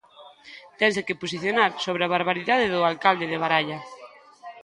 Tense que posicionar sobre a barbaridade do alcalde de Baralla.